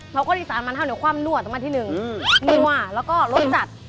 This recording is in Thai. เขาก็อีสานบานเท่าเดี๋ยวความนวดมาที่หนึ่งมือว่าแล้วก็รสจัด